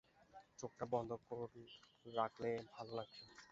চোখটা বন্ধ রাখলে ভালো লাগবে।